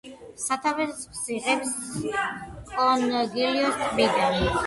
სათავეს იღებს კონგილიოს ტბიდან.